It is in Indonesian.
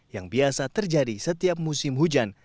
yang biasa terjadi setiap musim hujan